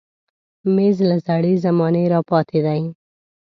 مېز له زړې زمانې راپاتې دی.